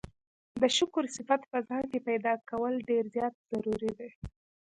د شکر صفت په ځان کي پيدا کول ډير زيات ضروري دی